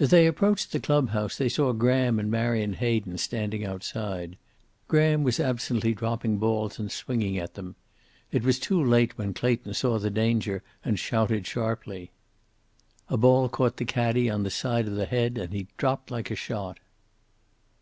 As they approached the clubhouse they saw Graham and Marion Hayden standing outside. Graham was absently dropping balls and swinging at them. It was too late when Clayton saw the danger and shouted sharply. A ball caught the caddie on the side of the head and he dropped like a shot.